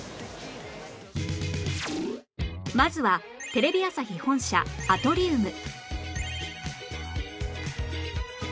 まずはテレビ朝日本社アトリウム